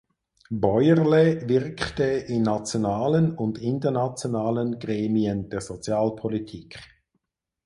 Bäuerle wirkte in nationalen und internationalen Gremien der Sozialpolitik.